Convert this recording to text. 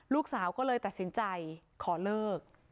ลูกสาวก็เลยตัดสินใจขอเลิก